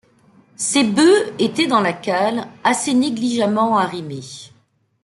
Ces bœufs étaient dans la cale assez négligemment arrimés.